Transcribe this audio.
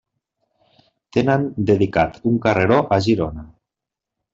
Tenen dedicat un carreró a Girona.